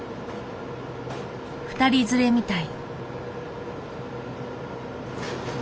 ２人連れみたい。